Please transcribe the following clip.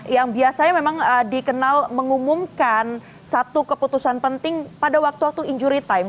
yang biasanya memang dikenal mengumumkan satu keputusan penting pada waktu waktu injury time